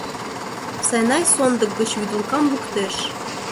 Сайнай сондык гыч вӱдылкам луктеш.